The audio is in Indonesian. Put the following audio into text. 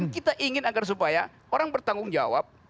kita ingin agar supaya orang bertanggung jawab